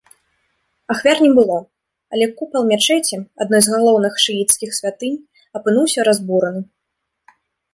Ахвяр не было, але купал мячэці, адной з галоўных шыіцкіх святынь, апынуўся разбураны.